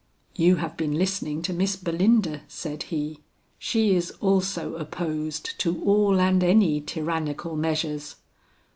"You have been listening to Miss Belinda," said he; "she is also opposed to all and any tyrannical measures."